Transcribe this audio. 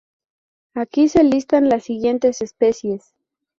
Aquí se listan las siguientes especies